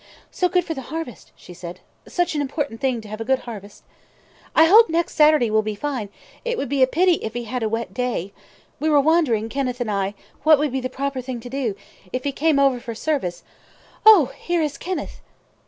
"So good for the harvest," she said. "Such an important thing to have a good harvest. I hope next Saturday will be fine; it would be a pity if he had a wet day. We were wondering, Kenneth and I, what would be the proper thing to do, if he came over for service oh, here is Kenneth!"